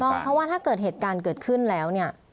เพราะว่าถ้าเกิดเหตุการณ์เกิดขึ้นแล้วเนี่ย